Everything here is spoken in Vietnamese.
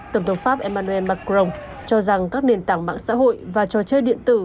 tổng thống pháp emmanuel macron cho rằng các nền tảng mạng xã hội và trò chơi điện tử